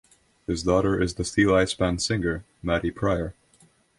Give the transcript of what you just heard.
His daughter is the Steeleye Span singer Maddy Prior.